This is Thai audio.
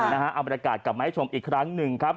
เอาบรรยากาศกลับมาให้ชมอีกครั้งหนึ่งครับ